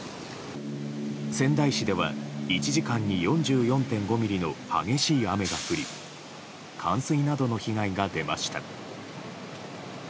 仙台市では１時間に４４．５ミリの激しい雨が降り冠水などの被害が出ました。